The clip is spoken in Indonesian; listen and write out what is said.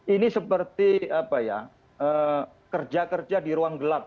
ini seperti kerja kerja di ruang gelap